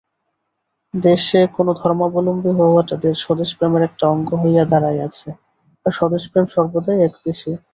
শেষে কোন ধর্মাবলম্বী হওয়াটা স্বদেশপ্রেমের একটা অঙ্গ হইয়া দাঁড়াইয়াছে, আর স্বদেশপ্রেম সর্বদাই একদেশী।